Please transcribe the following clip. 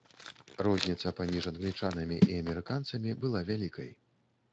Розніца паміж англічанамі і амерыканцамі была вялікай.